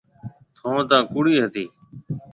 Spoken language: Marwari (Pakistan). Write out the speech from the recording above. ٿُون ٿاڪوڙِي هتي۔